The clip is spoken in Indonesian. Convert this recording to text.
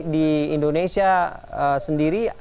di indonesia sendiri